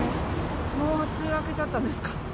もう梅雨明けちゃったんですか？